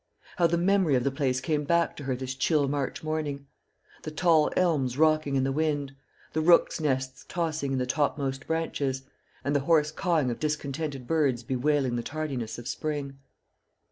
How the memory of the place came back to her this chill March morning! the tall elms rocking in the wind, the rooks' nests tossing in the topmost branches, and the hoarse cawing of discontented birds bewailing the tardiness of spring.